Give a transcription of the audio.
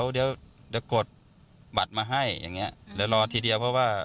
นี่เขาก็บอกว่า